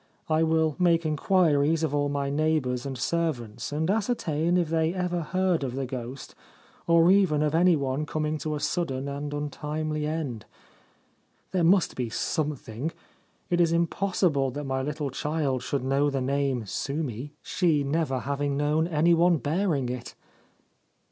I will make inquiries of all my neighbours and servants, and ascertain if they ever heard of the ghost, or even of any one coming to a sudden and untimely end. There must be something : it is impossible that my little child should know the name " Sumi," she never having known any one bearing it.'